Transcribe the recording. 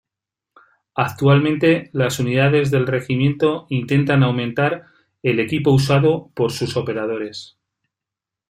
Actualmente las unidades del Regimiento intentan aumentar el equipo usado por sus operadores.